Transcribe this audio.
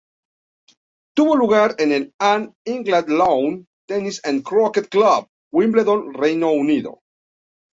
Tuvo lugar en el All England Lawn Tennis and Croquet Club, Wimbledon, Reino Unido.